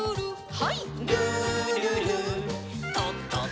はい。